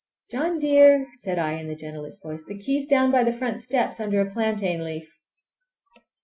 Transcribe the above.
"John dear!" said I in the gentlest voice, "the key is down by the front steps, under a plantain leaf!"